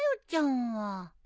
ちゃんは。